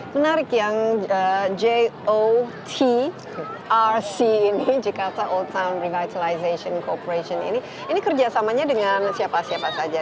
menarik yang got rc ini jakarta old town revitalization corporation ini ini kerjasamanya dengan siapa siapa saja